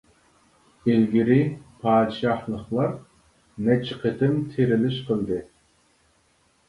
ئىلگىرى پادىشاھلىقلار نەچچە قېتىم تىرىلىش قىلدى.